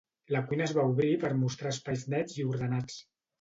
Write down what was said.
La cuina es va obrir per mostrar espais nets i ordenats.